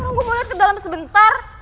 orang gue mau liat ke dalam sebentar